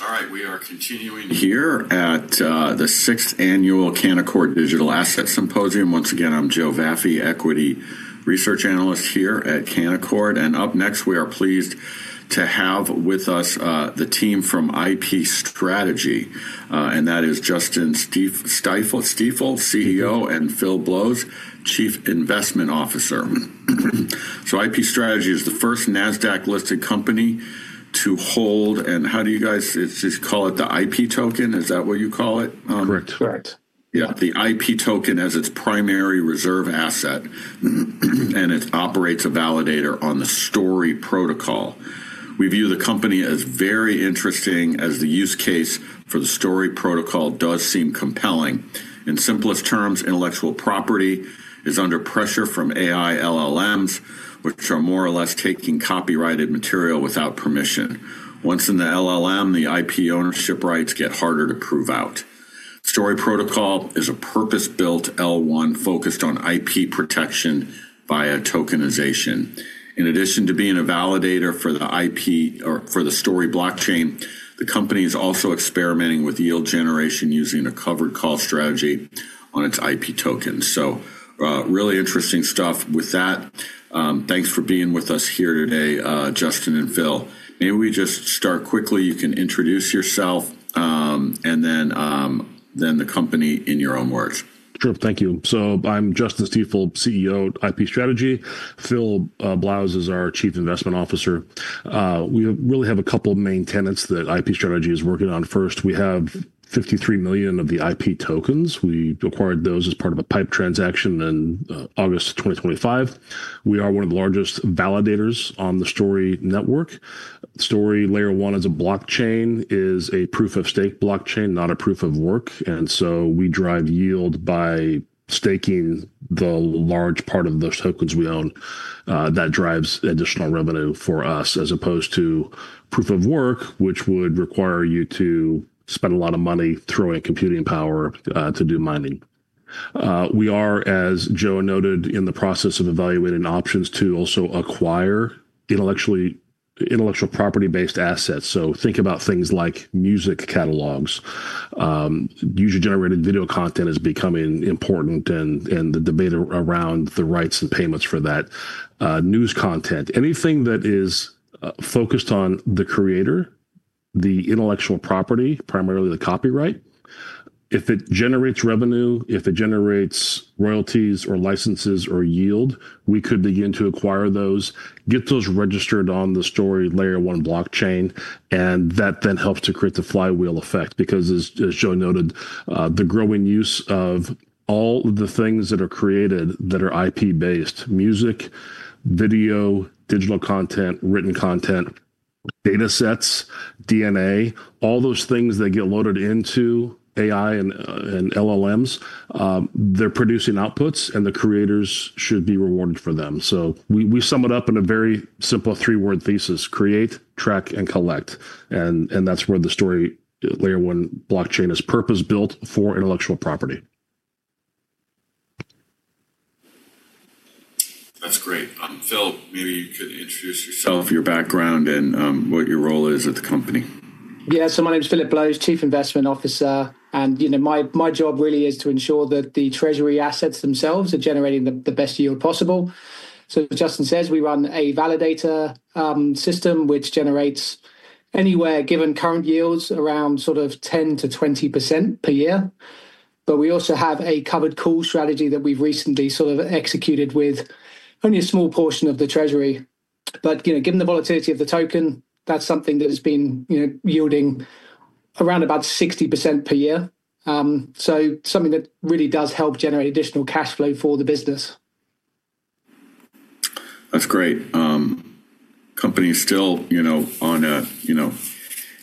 All right. We are continuing here at the sixth annual Canaccord Genuity Digital Asset Symposium. Once again, I'm Joe Vafi, Equity Research Analyst here at Canaccord Genuity. Up next, we are pleased to have with us the team from IP Strategy Holdings, and that is Justin Stiefel, CEO, and Phil Blows, Chief Investment Officer. IP Strategy Holdings is the first Nasdaq-listed company to hold. How do you guys call it the IP token? Is that what you call it? Correct. Correct. Yeah. The IP token as its primary reserve asset, and it operates a validator on the Story Protocol. We view the company as very interesting, as the use case for the Story Protocol does seem compelling. In simplest terms, intellectual property is under pressure from AI LLMs, which are more or less taking copyrighted material without permission. Once in the LLM, the IP ownership rights get harder to prove out. Story Protocol is a purpose-built L1 focused on IP protection via tokenization. In addition to being a validator for the IP or for the Story Protocol blockchain, the company is also experimenting with yield generation using a covered call strategy on its IP tokens. Really interesting stuff. With that, thanks for being with us here today, Justin and Phil. Maybe we just start quickly. You can introduce yourself, and then the company in your own words. Sure. Thank you. I'm Justin Stiefel, CEO at IP Strategy. Phil Blows is our chief investment officer. We really have a couple main tenets that IP Strategy is working on. First, we have 53 million of the IP tokens. We acquired those as part of a PIPE transaction in August 2025. We are one of the largest validators on the Story network. Story Layer 1 as a blockchain is a proof of stake blockchain, not a proof of work. We drive yield by staking the large part of those tokens we own. That drives additional revenue for us, as opposed to proof of work, which would require you to spend a lot of money throwing computing power to do mining. We are, as Joe noted, in the process of evaluating options to also acquire intellectual property-based assets. Think about things like music catalogs. User-generated video content is becoming important and the debate around the rights and payments for that, news content. Anything that is focused on the creator, the intellectual property, primarily the copyright. If it generates revenue, if it generates royalties or licenses or yield, we could begin to acquire those, get those registered on the Story Layer 1 blockchain, and that then helps to create the flywheel effect. Because as Joe noted, the growing use of all the things that are created that are IP-based, music, video, digital content, written content, datasets, DNA, all those things that get loaded into AI and LLMs, they're producing outputs, and the creators should be rewarded for them. We sum it up in a very simple three-word thesis: create, track, and collect. That's where the Story Layer 1 blockchain is purpose-built for intellectual property. That's great. Phil, maybe you could introduce yourself, your background, and what your role is at the company. Yeah. My name is Phil Blows, Chief Investment Officer, and, you know, my job really is to ensure that the treasury assets themselves are generating the best yield possible. As Justin says, we run a validator system which generates anywhere, given current yields, around sort of 10%-20% per year. We also have a covered call strategy that we've recently sort of executed with only a small portion of the treasury. You know, given the volatility of the token, that's something that has been yielding around about 60% per year. Something that really does help generate additional cash flow for the business. That's great. Company is still, you know, on a, you know,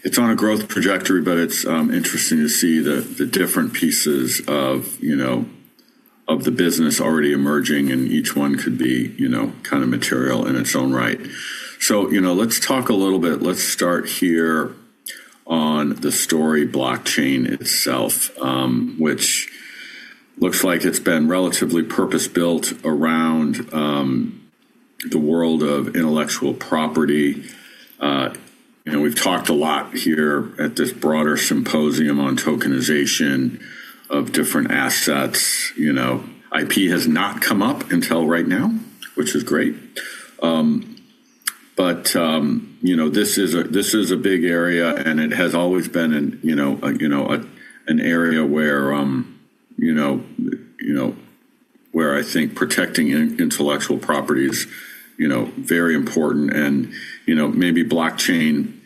it's on a growth trajectory, but it's interesting to see the different pieces of, you know, of the business already emerging, and each one could be, you know, kind of material in its own right. You know, let's talk a little bit. Let's start here on the Story blockchain itself, which looks like it's been relatively purpose-built around the world of intellectual property. You know, we've talked a lot here at this broader symposium on tokenization of different assets. You know, IP has not come up until right now, which is great. You know, this is a big area, and it has always been an area where I think protecting intellectual property is very important. You know, maybe blockchain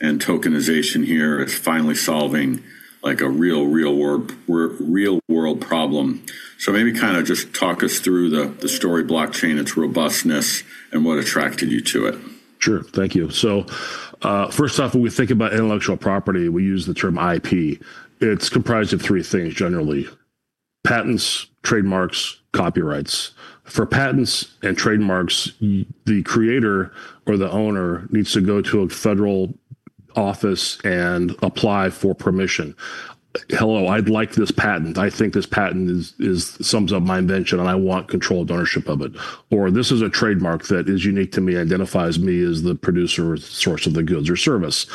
and tokenization here is finally solving like a real world problem. Maybe kind of just talk us through the Story blockchain, its robustness, and what attracted you to it. Sure. Thank you. First off, when we think about intellectual property, we use the term IP. It's comprised of three things, generally: patents, trademarks, copyrights. For patents and trademarks, the creator or the owner needs to go to a federal office and apply for permission. Hello, I'd like this patent. I think this patent sums up my invention, and I want control and ownership of it. Or this is a trademark that is unique to me, identifies me as the producer or source of the goods or service.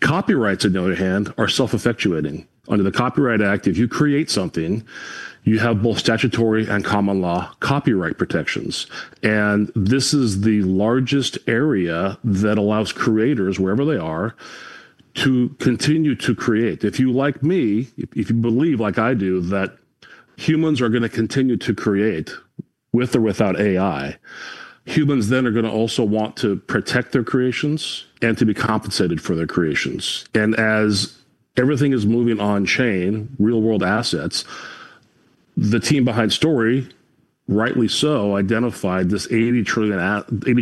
Copyrights on the other hand, are self-effectuating. Under the Copyright Act, if you create something, you have both statutory and common law copyright protections. This is the largest area that allows creators wherever they are to continue to create. If you like me, if you believe like I do that humans are gonna continue to create with or without AI, humans then are gonna also want to protect their creations and to be compensated for their creations. As everything is moving on chain, real-world assets, the team behind Story, rightly so, identified this $80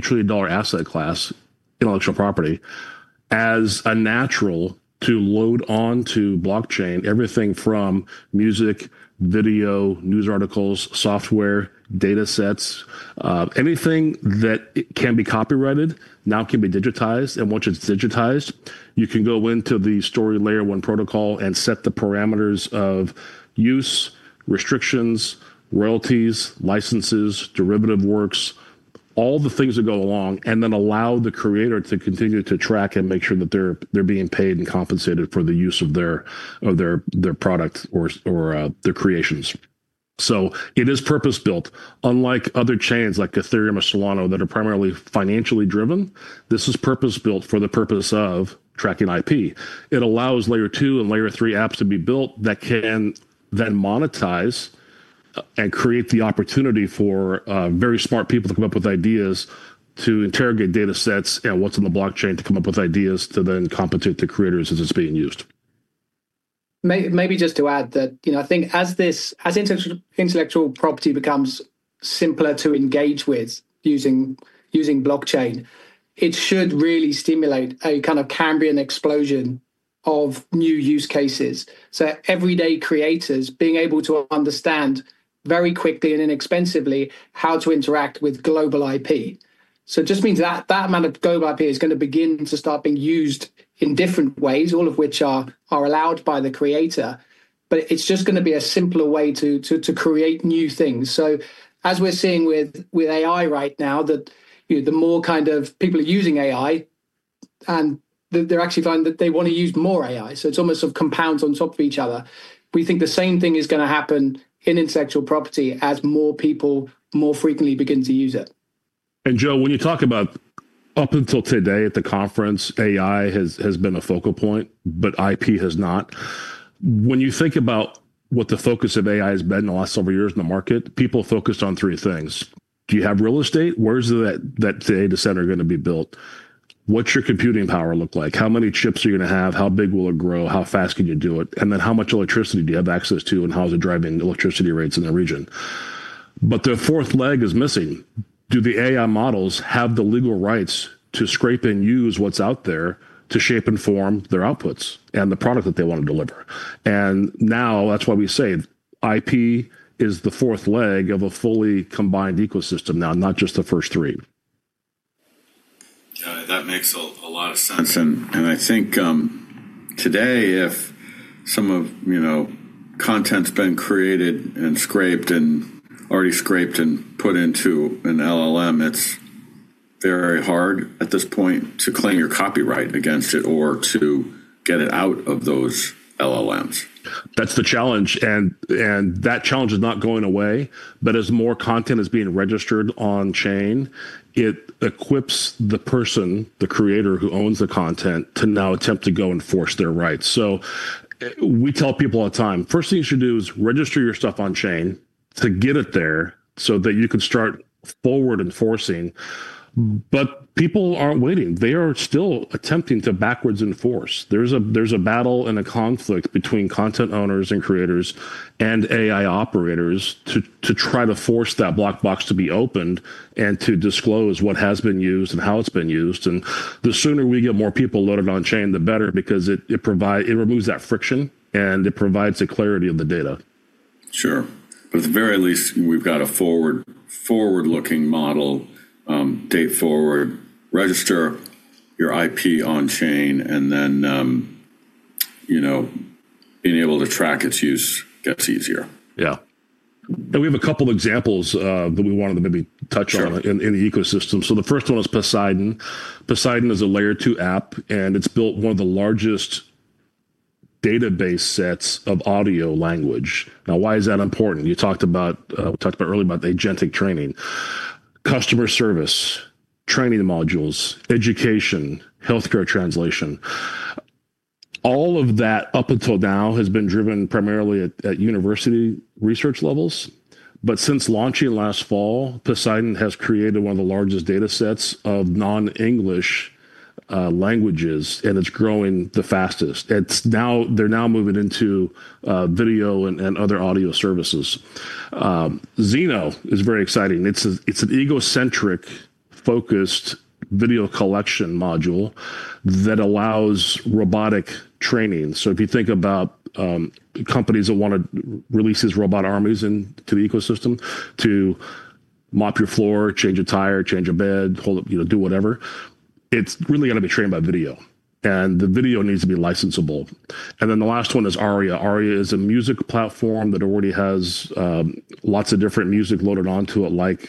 trillion dollar asset class intellectual property as a natural to load onto blockchain everything from music, video, news articles, software, data sets, anything that it can be copyrighted now can be digitized. Once it's digitized, you can go into the Story layer one protocol and set the parameters of use, restrictions, royalties, licenses, derivative works, all the things that go along, and then allow the creator to continue to track and make sure that they're being paid and compensated for the use of their creations. It is purpose-built, unlike other chains like Ethereum or Solana that are primarily financially driven. This is purpose-built for the purpose of tracking IP. It allows layer two and layer three apps to be built that can then monetize and create the opportunity for very smart people to come up with ideas to interrogate data sets and what's in the blockchain to come up with ideas to then compensate the creators as it's being used. Maybe just to add that, you know, I think as this as intellectual property becomes simpler to engage with using blockchain, it should really stimulate a kind of Cambrian explosion of new use cases. Everyday creators being able to understand very quickly and inexpensively how to interact with global IP. It just means that amount of global IP is gonna begin to start being used in different ways, all of which are allowed by the creator, but it's just gonna be a simpler way to create new things. As we're seeing with AI right now that, you know, the more kind of people are using AI and they're actually finding that they wanna use more AI, so it's almost sort of compounds on top of each other. We think the same thing is gonna happen in intellectual property as more people more frequently begin to use it. Joe Vafi, when you talk about up until today at the conference, AI has been a focal point, but IP has not. When you think about what the focus of AI has been in the last several years in the market, people focused on three things. Do you have real estate? Where is that data center gonna be built? What's your computing power look like? How many chips are you gonna have? How big will it grow? How fast can you do it? Then how much electricity do you have access to, and how is it driving electricity rates in the region? But the fourth leg is missing. Do the AI models have the legal rights to scrape and use what's out there to shape and form their outputs and the product that they wanna deliver? that's why we say IP is the fourth leg of a fully combined ecosystem now, not just the first three. Yeah, that makes a lot of sense. I think today if some of, you know, content's been created and scraped, and already scraped and put into an LLM, it's very hard at this point to claim your copyright against it or to get it out of those LLMs. That's the challenge. That challenge is not going away, but as more content is being registered on chain, it equips the person, the creator, who owns the content to now attempt to go enforce their rights. We tell people all the time, first thing you should do is register your stuff on chain to get it there so that you can start forward enforcing. People aren't waiting. They are still attempting to backwards enforce. There's a battle and a conflict between content owners and creators and AI operators to try to force that black box to be opened and to disclose what has been used and how it's been used. The sooner we get more people loaded on chain, the better because it removes that friction, and it provides the clarity of the data. Sure. At the very least, we've got a forward-looking model, date forward, register your IP on chain, and then, you know, being able to track its use gets easier. Yeah. We have a couple examples that we wanted to maybe touch on. Sure. In the ecosystem. The first one is Poseidon. Poseidon is a Layer 2 app, and it's built one of the largest database sets of audio language. Now, why is that important? We talked about earlier about the agentic training. Customer service, training modules, education, healthcare translation, all of that up until now has been driven primarily at university research levels. Since launching last fall, Poseidon has created one of the largest data sets of non-English languages, and it's growing the fastest. It's now. They're now moving into video and other audio services. ZenO is very exciting. It's an egocentric focused video collection module that allows robotic training. If you think about companies that wanna release these robot armies into the ecosystem to mop your floor, change a tire, change a bed, hold up, you know, do whatever. It's really gonna be trained by video, and the video needs to be licensable. Then the last one is Aria. Aria is a music platform that already has lots of different music loaded onto it, like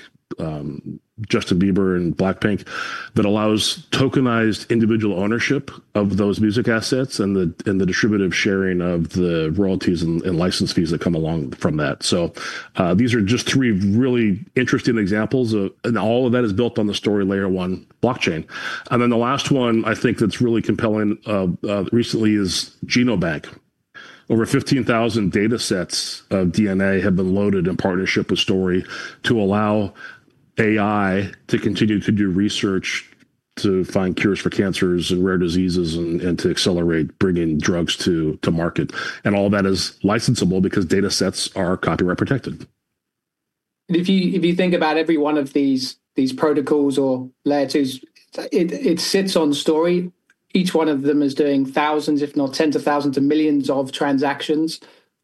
Justin Bieber and Blackpink, that allows tokenized individual ownership of those music assets and the distributive sharing of the royalties and license fees that come along from that. These are just three really interesting examples. All of that is built on the Story Layer 1 blockchain. The last one I think that's really compelling recently is GenoBank.io. Over 15,000 datasets of DNA have been loaded in partnership with Story to allow AI to continue to do research to find cures for cancers and rare diseases and to accelerate bringing drugs to market. All that is licensable because datasets are copyright protected. If you think about every one of these protocols or layers, it sits on Story. Each one of them is doing thousands, if not tens of thousands of millions of transactions,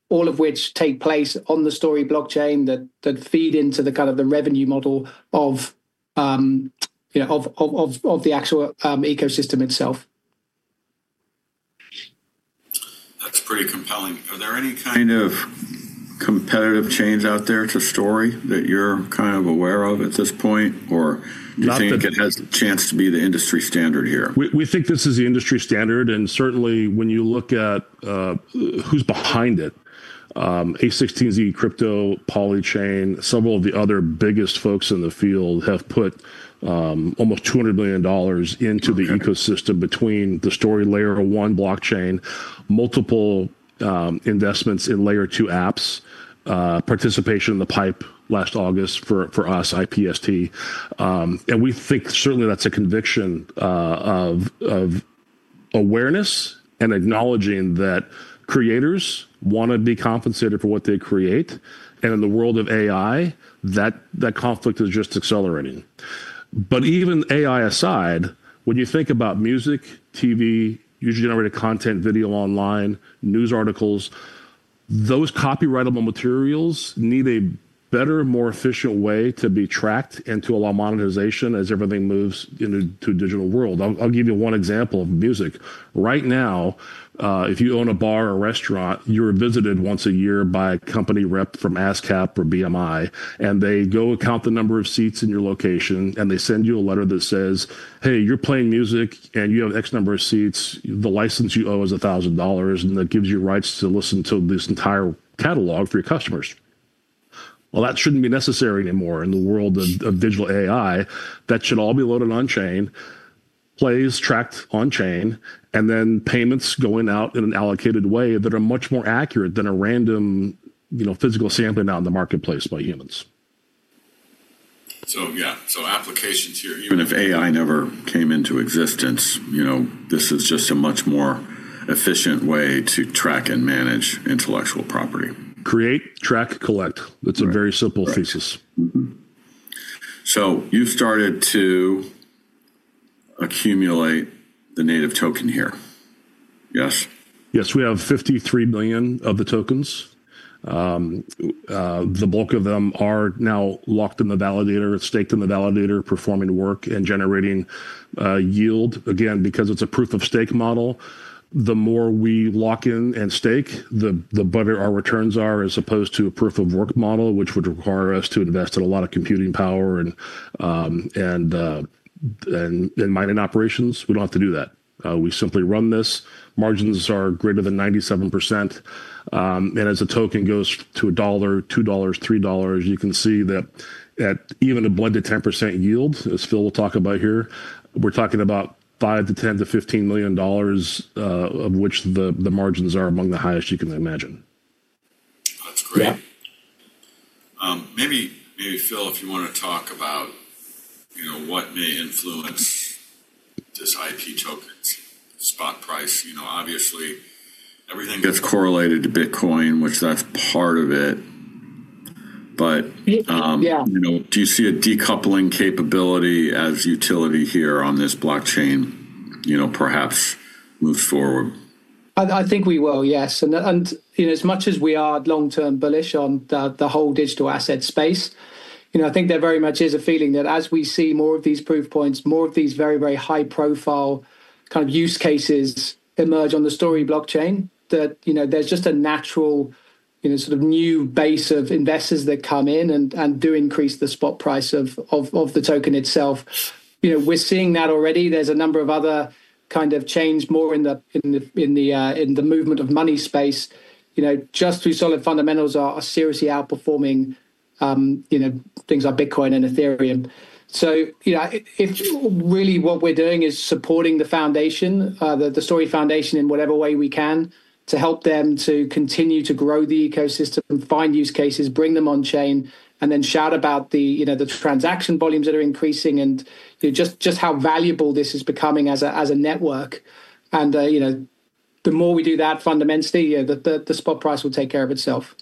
all of which take place on the Story blockchain that feed into the kind of the revenue model of the actual ecosystem itself. That's pretty compelling. Are there any kind of competitive change out there to Story that you're kind of aware of at this point? Not that- Do you think it has the chance to be the industry standard here? We think this is the industry standard, and certainly when you look at who's behind it, a16z Crypto, Polychain Capital, several of the other biggest folks in the field have put almost $200 million into the ecosystem between the Story layer one blockchain, multiple investments in layer two apps, participation in the PIPE last August for us, IPST. We think certainly that's a conviction of awareness and acknowledging that creators wanna be compensated for what they create. In the world of AI, that conflict is just accelerating. Even AI aside, when you think about music, TV, user-generated content, video online, news articles, those copyrightable materials need a better, more efficient way to be tracked and to allow monetization as everything moves into a digital world. I'll give you one example of music. Right now, if you own a bar or restaurant, you're visited once a year by a company rep from ASCAP or BMI, and they go count the number of seats in your location, and they send you a letter that says, "Hey, you're playing music, and you have X number of seats. The license you owe is $1,000, and that gives you rights to listen to this entire catalog for your customers." Well, that shouldn't be necessary anymore in the world of digital AI. That should all be loaded on-chain, plays tracked on-chain, and then payments going out in an allocated way that are much more accurate than a random, you know, physical sampling out in the marketplace by humans. Yeah, so applications here. Even if AI never came into existence, you know, this is just a much more efficient way to track and manage intellectual property. Create, track, collect. Right. That's a very simple thesis. You've started to accumulate the native token here? Yes? Yes. We have 53 million of the tokens. The bulk of them are now locked in the validator, staked in the validator, performing work and generating yield. Again, because it's a Proof of Stake model, the more we lock in and stake, the better our returns are, as opposed to a proof of work model, which would require us to invest in a lot of computing power and mining operations. We don't have to do that. We simply run this. Margins are greater than 97%. And as a token goes to $1, $2, $3, you can see that at even a 1%-10% yield, as Phil will talk about here, we're talking about $5 million to $10 million to $15 million, of which the margins are among the highest you can imagine. That's great. Yeah. Maybe Phil, if you wanna talk about, you know, what may influence this IP token's spot price. You know, obviously everything gets correlated to Bitcoin, which that's part of it. Yeah. You know, do you see a decoupling capability as utility here on this blockchain, you know, perhaps move forward? I think we will, yes. You know, as much as we are long-term bullish on the whole digital asset space, you know, I think there very much is a feeling that as we see more of these proof points, more of these very, very high profile kind of use cases emerge on the Story Protocol, that you know, there's just a natural, you know, sort of new base of investors that come in and do increase the spot price of the token itself. You know, we're seeing that already. There's a number of other kind of chains more in the movement of money space. You know, just the solid fundamentals are seriously outperforming things like Bitcoin and Ethereum. You know, if really what we're doing is supporting the foundation, the Story Foundation in whatever way we can to help them to continue to grow the ecosystem and find use cases, bring them on chain, and then shout about the, you know, the transaction volumes that are increasing and, you know, just how valuable this is becoming as a network. You know, the more we do that fundamentally, you know, the spot price will take care of itself.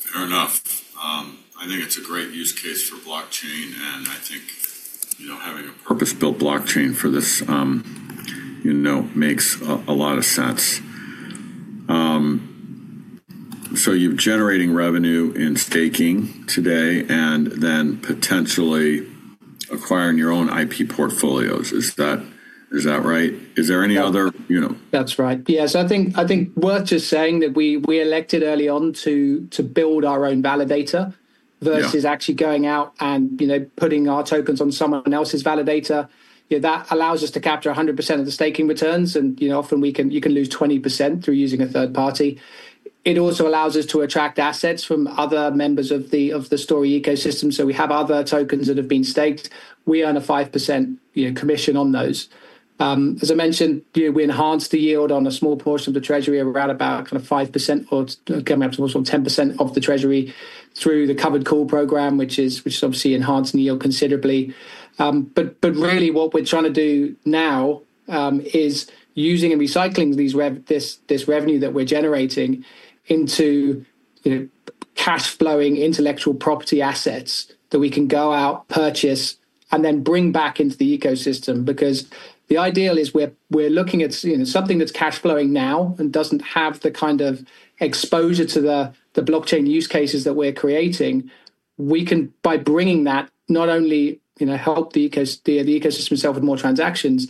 Fair enough. I think it's a great use case for blockchain, and I think, you know, having a purpose-built blockchain for this, you know, makes a lot of sense. You're generating revenue in staking today and then potentially acquiring your own IP portfolios. Is that right? Is there any other, you know? That's right. Yes. I think worth just saying that we elected early on to build our own validator- Yeah Versus actually going out and, you know, putting our tokens on someone else's validator. Yeah, that allows us to capture 100% of the staking returns and, you know, often you can lose 20% through using a third party. It also allows us to attract assets from other members of the Story ecosystem. So we have other tokens that have been staked. We earn a 5%, you know, commission on those. As I mentioned, you know, we enhanced the yield on a small portion of the treasury. We're at about kind of 5% or coming up to almost 10% of the treasury through the covered call program, which is obviously enhancing the yield considerably. Really what we're trying to do now is using and recycling these rev This revenue that we're generating into, you know, cash flowing intellectual property assets that we can go out, purchase, and then bring back into the ecosystem. Because the ideal is we're looking at, you know, something that's cash flowing now and doesn't have the kind of exposure to the blockchain use cases that we're creating. We can, by bringing that, not only, you know, help the ecosystem itself with more transactions,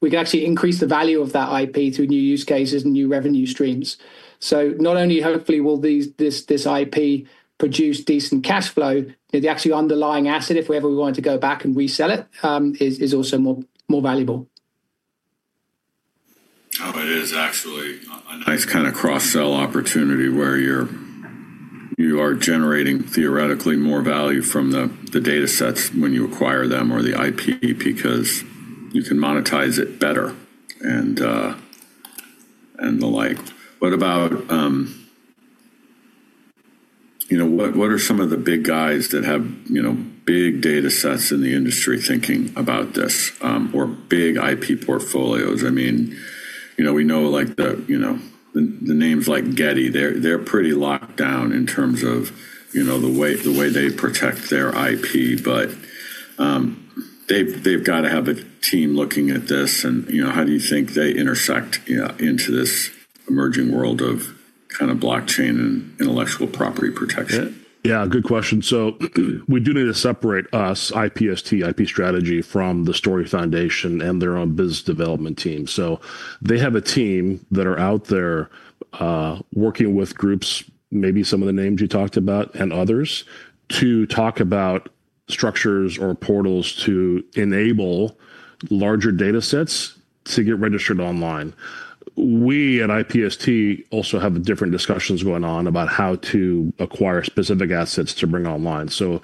we can actually increase the value of that IP through new use cases and new revenue streams. Not only hopefully will this IP produce decent cash flow, the actual underlying asset, if ever we wanted to go back and resell it, is also more valuable. Oh, it is actually a nice kind of cross-sell opportunity where you are generating theoretically more value from the datasets when you acquire them or the IP because you can monetize it better and the like. What about you know, what are some of the big guys that have you know, big datasets in the industry thinking about this? Or big IP portfolios. I mean, you know, we know, like the you know, the names like Getty, they're pretty locked down in terms of you know, the way they protect their IP. They've got to have a team looking at this and you know, how do you think they intersect you know, into this emerging world of kind of blockchain and intellectual property protection? Yeah. Good question. We do need to separate us, IPST, IP Strategy from the Story Foundation and their own business development team. They have a team that are out there, working with groups, maybe some of the names you talked about and others, to talk about structures or portals to enable larger datasets to get registered online. We at IPST also have different discussions going on about how to acquire specific assets to bring online. Phil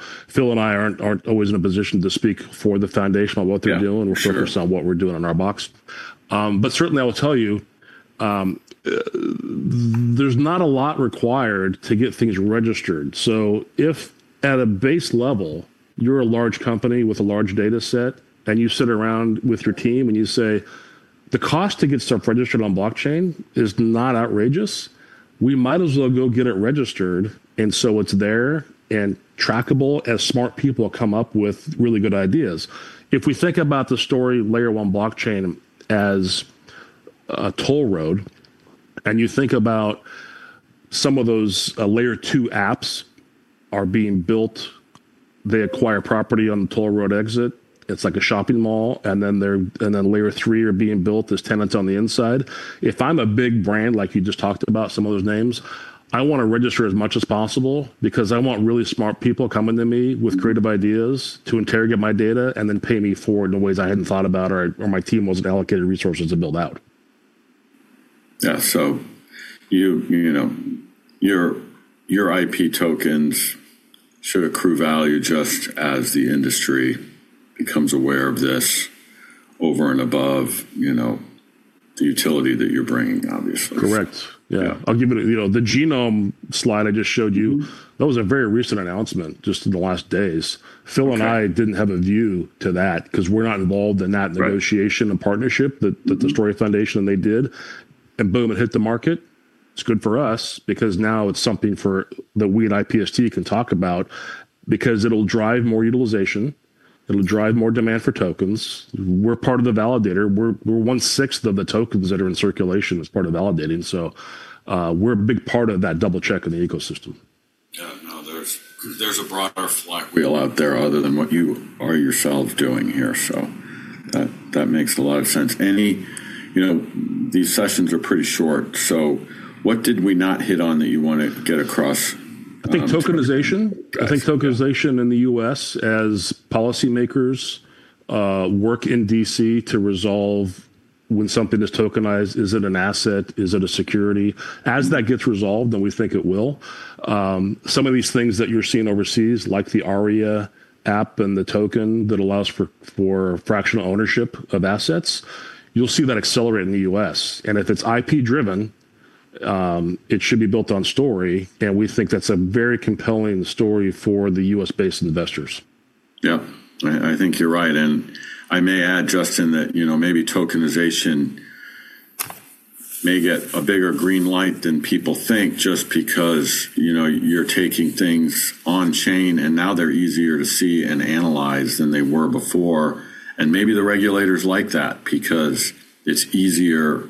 and I aren't always in a position to speak for the foundation on what they're doing. Yeah. Sure. We're focused on what we're doing on our box. But certainly I will tell you, there's not a lot required to get things registered. If at a base level, you're a large company with a large dataset, and you sit around with your team and you say, "The cost to get stuff registered on blockchain is not outrageous. We might as well go get it registered," and so it's there and trackable as smart people come up with really good ideas. If we think about the Story Layer 1 blockchain as a toll road, and you think about some of those, Layer 2 apps are being built, they acquire property on the toll road exit. It's like a shopping mall, and then layer three are being built as tenants on the inside. If I'm a big brand, like you just talked about some of those names, I wanna register as much as possible because I want really smart people coming to me with creative ideas to interrogate my data and then pay me for it in ways I hadn't thought about or my team wasn't allocated resources to build out. Yeah. You know, your IP tokens should accrue value just as the industry becomes aware of this over and above, you know, the utility that you're bringing, obviously. Correct. Yeah. I'll give it. You know, the GenoBank.io slide I just showed you, that was a very recent announcement just in the last days. Okay. Phil and I didn't have a view to that because we're not involved in that negotiation. Right Partnership that the Story Foundation and they did. Boom, it hit the market. It's good for us because now it's something that we at IPST can talk about because it'll drive more utilization. It'll drive more demand for tokens. We're part of the validator. We're one-sixth of the tokens that are in circulation as part of validating. We're a big part of that double check in the ecosystem. Yeah. No, there's a broader flywheel out there other than what you are yourselves doing here, so that makes a lot of sense. Anyway, you know, these sessions are pretty short, so what did we not hit on that you wanna get across? I think tokenization. I think tokenization in the U.S. as policymakers work in D.C. to resolve when something is tokenized, is it an asset? Is it a security? As that gets resolved, and we think it will, some of these things that you're seeing overseas, like the Aria app and the token that allows for fractional ownership of assets, you'll see that accelerate in the U.S. If it's IP-driven, it should be built on Story, and we think that's a very compelling story for the U.S.-based investors. Yeah. I think you're right. I may add, Justin, that, you know, maybe tokenization may get a bigger green light than people think just because, you know, you're taking things on-chain, and now they're easier to see and analyze than they were before. Maybe the regulators like that because it's easier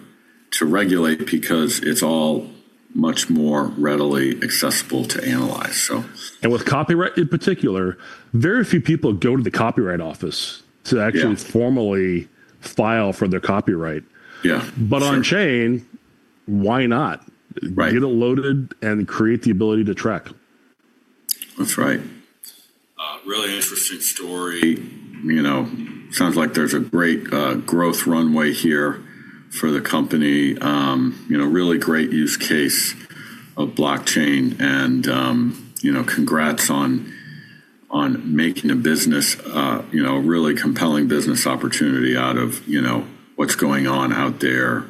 to regulate because it's all much more readily accessible to analyze, so. With copyright in particular, very few people go to the Copyright Office to actually. Yeah. Formally file for their copyright. Yeah. Sure. On-chain, why not? Right. Get it loaded and create the ability to track. That's right. Really interesting story. You know, sounds like there's a great growth runway here for the company. You know, really great use case of blockchain and, you know, congrats on making a business, you know, a really compelling business opportunity out of, you know, what's going on out there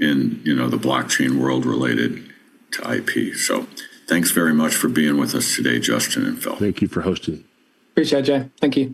in, you know, the blockchain world related to IP. Thanks very much for being with us today, Justin and Phil. Thank you for hosting. Appreciate it, Jay. Thank you.